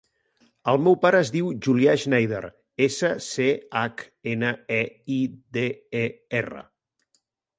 El meu pare es diu Julià Schneider: essa, ce, hac, ena, e, i, de, e, erra.